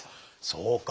そうか。